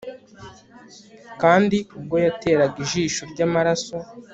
Kandi ubwo yateraga ijisho ryamaraso